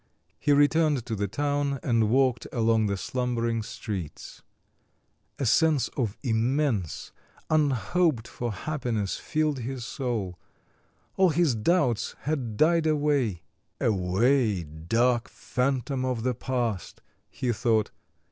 He returned to the town and walked along the slumbering streets. A sense of immense, unhoped for happiness filled his soul; all his doubts had died away. "Away, dark phantom of the past," he thought.